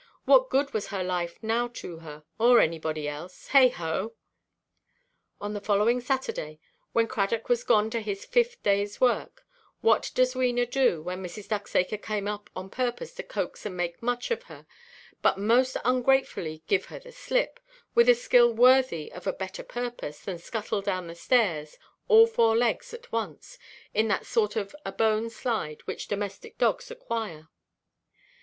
What good was her life now to her, or anybody else? Heigho! On the following Saturday, when Cradock was gone to his fifth dayʼs work, what does Wena do, when Mrs. Ducksacre came up on purpose to coax and make much of her, but most ungratefully give her the slip, with a skill worthy of a better purpose, then scuttle down the stairs, all four legs at once, in that sort of a bone–slide which domestic dogs acquire.